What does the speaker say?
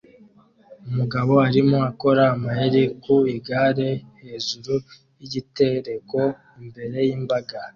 Umugabo arimo akora amayeri ku igare hejuru yigitereko imbere yimbaga